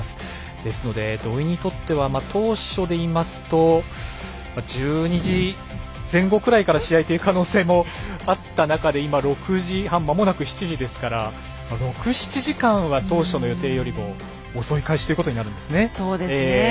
ですので、土居にとっては当初でいいますと１２時前後くらいから試合という可能性もあった中で今６時半、まもなく７時ですから６７時間は当初の予定よりも遅い開始となるんですね。